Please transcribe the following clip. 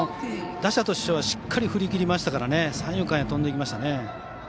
打者としてはしっかりと振りぬきましたから三遊間へ飛んでいきましたね。